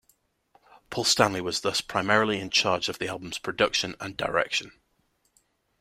Paul Stanley was thus primarily in charge of the album's production and direction.